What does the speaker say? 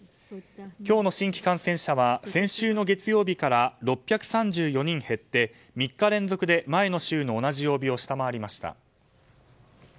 今日の新規感染者は先週の月曜日から６３４人減って３日連続で前の週の同じ曜日を下回りました。